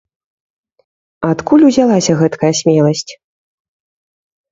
Адкуль узялася гэткая смеласць?